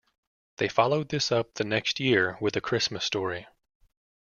They followed this up the next year with "A Christmas Story".